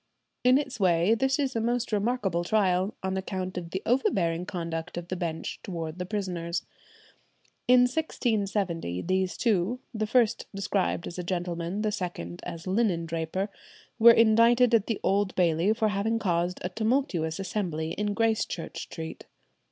In its way this is a most remarkable trial, on account of the overbearing conduct of the Bench towards the prisoners. In 1670 these two, the first described as gentleman, the second as linen draper, were indicted at the Old Bailey for having caused a tumultuous assembly in Gracechurch Street.